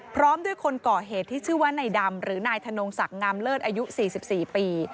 พร้อมด้วยคนก่อเหตุที่ชื่อว่านายดำหรือนายธนงศักดิ์งามเลิศอายุ๔๔ปี